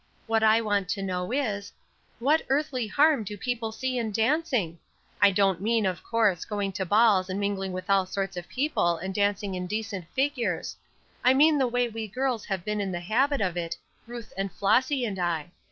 What I want to know is, what earthly harm do people see in dancing? I don't mean, of course, going to balls and mingling with all sorts of people and dancing indecent figures. I mean the way we girls have been in the habit of it, Ruth and Flossy and I.